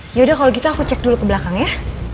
yaudah kalo gitu aku cek dulu ke belakang ya